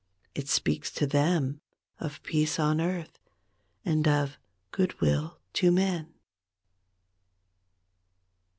It speaks to them of ''Peace on Earth" And of "Good will to men".